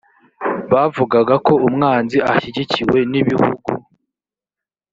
bavugaga ko umwanzi ashyigikiwe n ibihugu